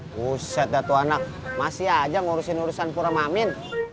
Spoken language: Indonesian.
buset ya tuanak masih aja ngurusin urusin puramamin